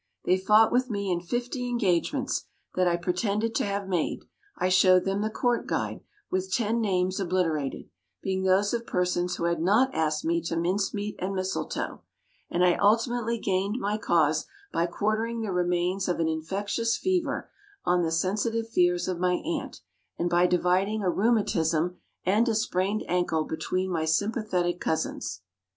They fought with me in fifty engagements that I pretended to have made. I showed them the Court Guide, with ten names obliterated being those of persons who had not asked me to mince meat and mistletoe; and I ultimately gained my cause by quartering the remains of an infectious fever on the sensitive fears of my aunt, and by dividing a rheumatism and a sprained ankle between my sympathetic cousins.